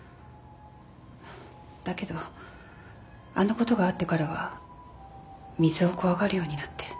だけどあのことがあってからは水を怖がるようになって。